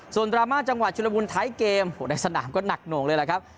ส่วนดราม่าจังหวะชุลมุนท้ายเกมในสนามก็หนักหน่วงเลยแหละครับ